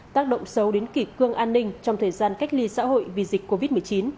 tác động xấu đến kỷ cương an ninh trong thời gian cách ly xã hội vì dịch covid một mươi chín